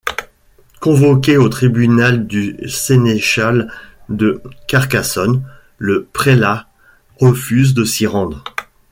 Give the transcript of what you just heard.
Convoqué au tribunal du sénéchal de Carcassonne, le prélat refuse de s'y rendre.